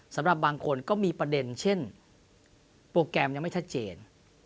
สำหรับบางคนก็มีประเด็นเช่นโปรแกรมยังไม่ชัดเจน